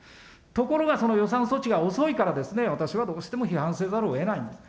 ところがその予算措置が遅いからですね、私はどうしても批判せざるをえないんです。